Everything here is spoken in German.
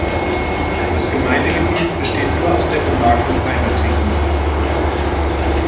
Das Gemeindegebiet besteht nur aus der Gemarkung Heimertingen.